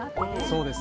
そうです。